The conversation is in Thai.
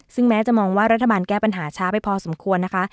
ซึ่งแม้จะมองว่ารัฐบาลแก้ปัญหาช้าไปพอสมควรนะคะ